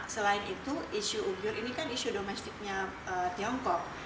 selain itu isu ugyur ini kan isu domestiknya tiongkok